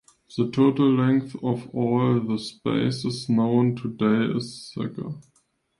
The total length of all the spaces known today is ca.